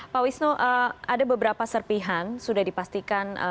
pak wisnu ada beberapa serpihan sudah dipastikan